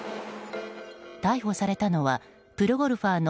逮捕されたのはプロゴルファーの